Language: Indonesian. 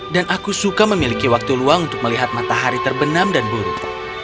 dan aku suka memiliki waktu luang untuk melihat matahari terbenam dan buruk